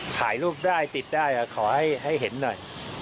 ถ่ายรูปได้ติดได้ขอให้เห็นหน่อย